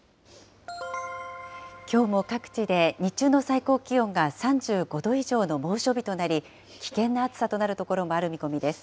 きょうも各地で、日中の最高気温が３５度以上の猛暑日となり、危険な暑さとなる所もある見込みです。